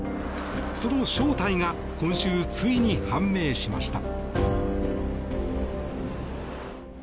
その正体が今週ついに判明しました。